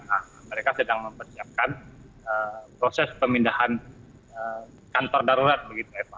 nah mereka sedang mempersiapkan proses pemindahan kantor darurat begitu eva